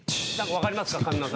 分かりますか？